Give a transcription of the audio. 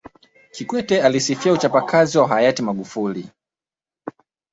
Kikwete alisifia uchapakazi wa Hayati Magufuli